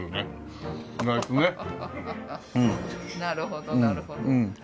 なるほどなるほど。